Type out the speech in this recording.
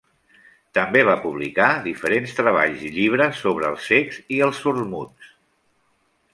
També va publicar diferents treballs i llibres sobre els cecs i els sords-muts.